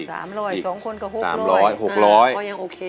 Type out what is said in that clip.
๓๐๐สองคนก็๖๐๐ค่ะยังโอเค